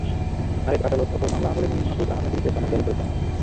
আরেক আদালত অপর মামলা আমলে নিয়ে মাহ্ফুজ আনামের বিরুদ্ধে সমন জারি করেছেন।